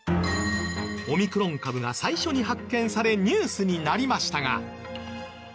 オミクロン株が最初に発見されニュースになりましたが。